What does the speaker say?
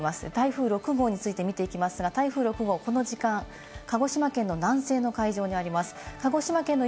台風６号について見ていきますが、台風６号、この時間、鹿児島県の南西の海上にあります。